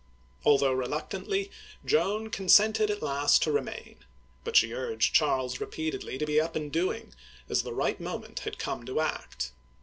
Although reluctantly, Joan consented at last to remain ; but she urged Charles repeatedly to be up and doing, as the right moipent had come to act.